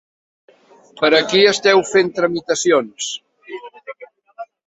Per a qui esteu fent tramitacions?